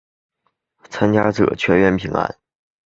参加者全员平安。